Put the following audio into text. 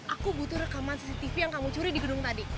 aku butuh rekaman cctv yang kamu curi di gedung tadi